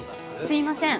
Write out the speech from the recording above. すいません。